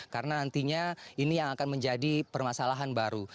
karena nantinya ini yang akan menjadi permasalahan baru